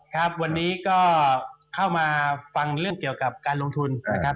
ครับวันนี้ก็เข้ามาฟังเรื่องเกี่ยวกับการลงทุนนะครับ